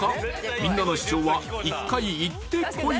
みんなの主張は「１回行ってこい！」